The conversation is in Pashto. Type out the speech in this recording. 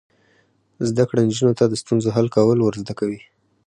زده کړه نجونو ته د ستونزو حل کول ور زده کوي.